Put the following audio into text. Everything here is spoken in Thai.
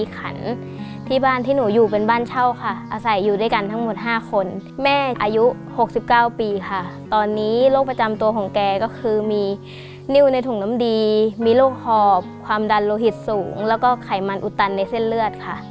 ก็ไขมันอุตันในเส้นเลือดค่ะ